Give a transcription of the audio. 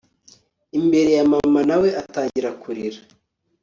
imbere ya mama nawe atangira kurira